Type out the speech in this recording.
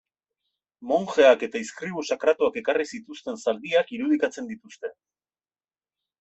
Monjeak eta izkribu sakratuak ekarri zituzten zaldiak irudikatzen dituzte.